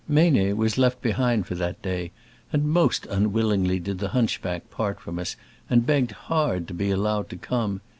Meynet was left behind for that day, and most unwillingly did the hunchback part from us, and begged hard to be allowed to come.